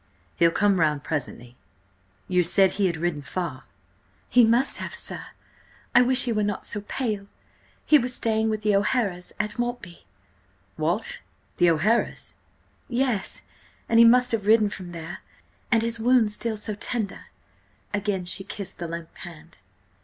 He'll come round presently. You said he had ridden far?" "He must have, sir–I wish he were not so pale–he was staying with the O'Hara's at Maltby." "What? The O'Haras?" "Yes–and he must have ridden from there–and his wound still so tender!" Again she kissed the limp hand.